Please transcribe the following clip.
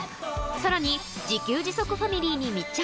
さらに、自給自足ファミリーに密着。